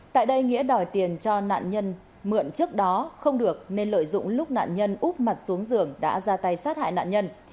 tại đây nghĩa đòi tiền cho nạn nhân mượn trước đó không được nên lợi dụng lúc nạn nhân úp mặt xuống giường đã ra tay sát hại nạn nhân